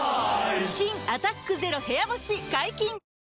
新「アタックＺＥＲＯ部屋干し」解禁‼